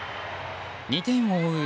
２点を追う